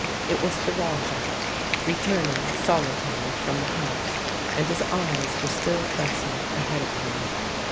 It was the Rajah, returning solitary from the hunt, and his eyes were still fastened ahead of him.